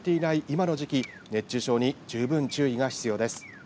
今の時期、熱中症に十分注意が必要です。